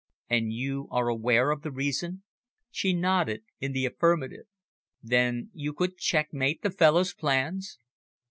"And you are aware of the reason?" She nodded in the affirmative. "Then you could checkmate the fellow's plans?"